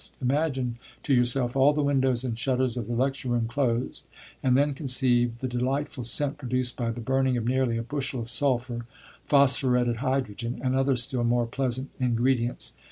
Imagine to yourself all the windows and shutters of the lecture room closed, and then conceive the delightful scent produced by the burning of nearly a bushel of sulphur, phosphoretted hydrogen, and other still more pleasant ingredients.